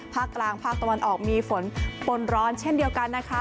ภาคกลางภาคตะวันออกมีฝนปนร้อนเช่นเดียวกันนะคะ